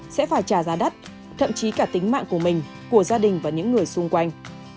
sẽ phải trả giá đắt thậm chí cả tính mạng của mình của gia đình và những người xung quanh